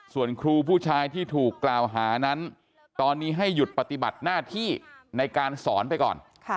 ส่วนครูผู้ชายที่ถูกกล่าวหานั้นตอนนี้ให้หยุดปฏิบัติหน้าที่ในการสอนไปก่อน